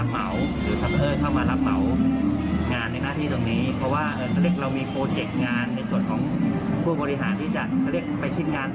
ผมว่าก็ความความสำคัญดีทีเดียว